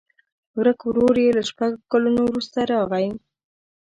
ورک ورور یې له شپږو کلونو وروسته راغی.